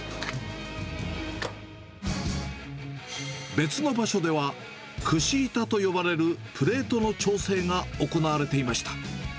別の場所では、くし板と呼ばれるプレートの調整が行われていました。